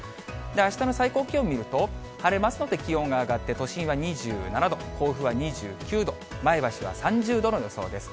あしたの最高気温見ると、晴れますので気温が上がって、都心は２７度、甲府は２９度、前橋は３０度の予想です。